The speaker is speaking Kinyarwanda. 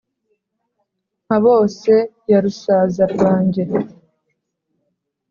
mpabose ya rusaza rwange